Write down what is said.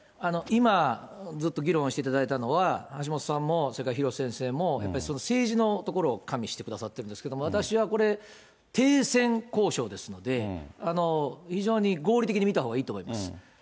今、ずっと議論をしていただいたのは、橋下さんも、それから廣瀬先生も、やっぱりその政治のところを加味してくださっているんですけれども、私はこれ、停戦交渉ですので、非常に合理的に見たほうがいいと思います。